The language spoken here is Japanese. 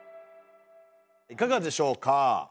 いかがでしょうか？